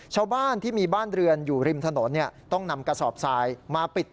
ชาวบ้านที่มีบ้านเรือนอยู่ริมถนนต้องนำกระสอบทรายมาปิด